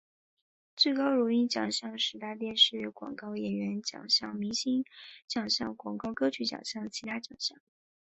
最高荣誉奖项十大电视广告演员奖项明星奖项广告歌曲奖项其他奖项